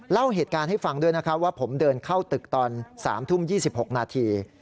เล่าเหตุการณ์ให้ฟังด้วยนะครับว่าผมเดินเข้าตึกตอน๓ทุ่ม๒๖นาที